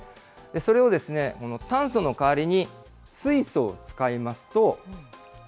それを、炭素の代わりに、水素を使いますと、Ｈ２Ｏ。